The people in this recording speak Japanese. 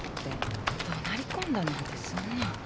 どなり込んだなんてそんな。